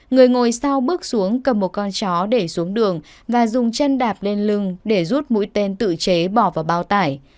người ngồi sau bước xuống cầm một con chó để xuống đường và dùng chân đạp lên lưng để rút mũi tên tự chế bỏ vào bao tải